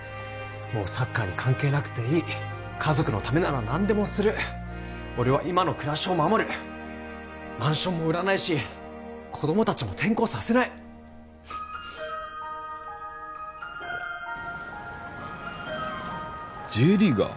もうサッカーに関係なくていい家族のためなら何でもする俺は今の暮らしを守るマンションも売らないし子供達も転校させないＪリーガー？